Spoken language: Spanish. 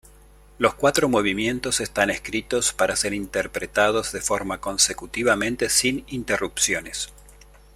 Los cuatro movimientos están escritos para ser interpretados de forma consecutivamente sin interrupciones.